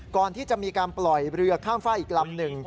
ก่อนที่จะมีการปล่อยเรือข้ามฝ้าอีกลำหนึ่ง